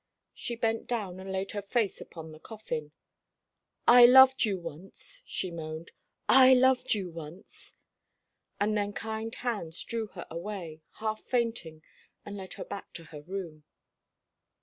She bent down and laid her face upon the coffin. "I loved you once!" she moaned, "I loved you once!" And then kind hands drew her away, half fainting, and led her back to her room.